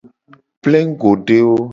Plengugodewo.